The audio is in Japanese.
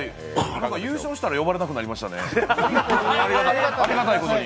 優勝したら呼ばれなくなりましたね、ありがたいことに。